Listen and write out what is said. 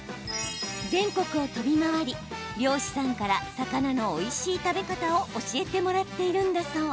全国を飛び回り、漁師さんから魚のおいしい食べ方を教えてもらっているんだそう。